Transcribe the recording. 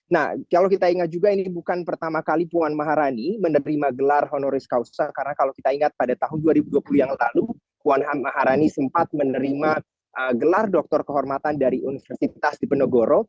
nah kalau kita ingat juga ini bukan pertama kali puan maharani menerima gelar honoris causa karena kalau kita ingat pada tahun dua ribu dua puluh yang lalu puan maharani sempat menerima gelar doktor kehormatan dari universitas dipenegoro